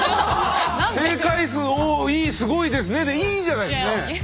正解数多いすごいですねでいいじゃないですか。